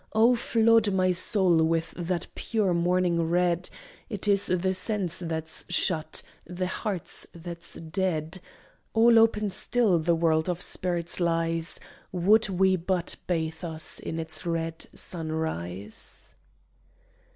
Oh, flood my soul with that pure morning red! It is the sense that's shut, the heart that's dead: All open still the world of spirits lies Would we but bathe us in its red sunrise.